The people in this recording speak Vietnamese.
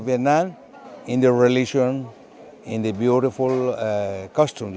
để đến đây chương trình vào tháng sáu này